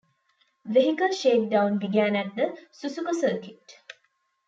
Vehicle shakedown began at the Suzuka Circuit.